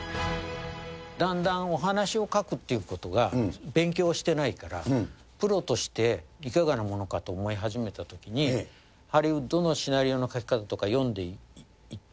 だんだんお話を書くっていうことが、勉強してないから、プロとしていかがなものかと思い始めたときに、ハリウッドのシナリオの書き方とか読んでいって。